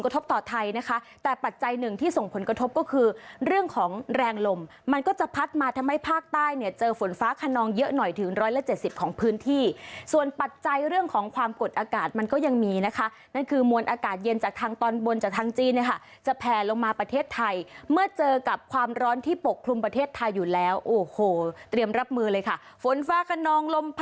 แต่ปัจจัยหนึ่งที่ส่งผลกระทบก็คือเรื่องของแรงลมมันก็จะพัดมาทำให้ภาคใต้เนี่ยเจอฝนฟ้าขนองเยอะหน่อยถึง๑๗๐ของพื้นที่ส่วนปัจจัยเรื่องของความกดอากาศมันก็ยังมีนะคะนั่นคือมวลอากาศเย็นจากทางตอนบนจากทางจีนนะคะจะแผ่ลงมาประเทศไทยเมื่อเจอกับความร้อนที่ปกครุมประเทศไทยอยู่แล้วโอ้โห